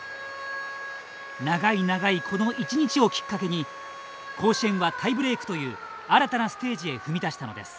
長い長いこの一日をきっかけに甲子園はタイブレークという新たなステージへ踏み出したのです。